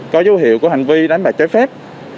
có dấu hiệu của hành vi đánh bài chế phép